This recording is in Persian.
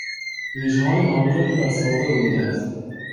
ریشههای نابجا که بر ساقه روییده است